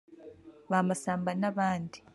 ba Masamba n’abandi